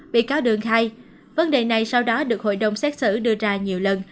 bị cáo đường khai vấn đề này sau đó được hội đồng xét xử đưa ra nhiều lần